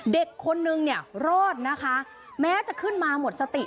เด็กคนนึงเนี่ยรอดนะคะแม้จะขึ้นมาหมดสติ